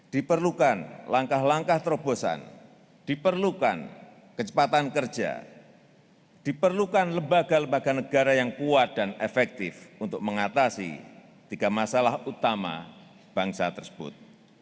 diperlukan langkah langkah terobosan diperlukan kecepatan kerja diperlukan lembaga lembaga negara yang kuat dan efektif untuk mengatasi tiga masalah utama bangsa tersebut